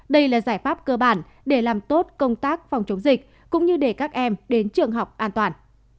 đây là giải pháp cơ bản để làm tốt công tác phòng chống dịch cũng như để các em đến trường học an toàn